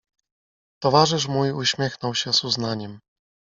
"Towarzysz mój uśmiechnął się z uznaniem."